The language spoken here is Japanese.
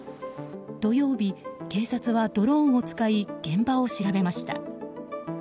土曜日、警察はドローンを使い現場を調べました。